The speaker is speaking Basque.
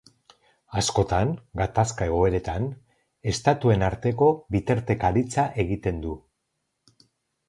Askotan, gatazka-egoeretan, estatuen arteko bitartekaritza egiten du.